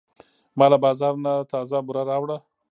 ما له بازار نه تازه بوره راوړه.